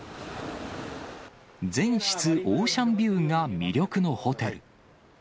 全室オーシャンビューが魅力のホテル。